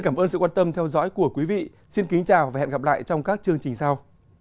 cảm ơn các bạn đã theo dõi và hẹn gặp lại trong các chương trình sau